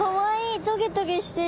トゲトゲしてる。